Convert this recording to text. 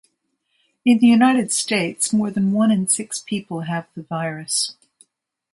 In the United States more than one in six people have the virus.